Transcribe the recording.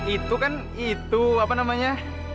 itu kan itu apa namanya